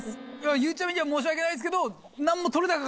ゆうちゃみには申し訳ないんですけど。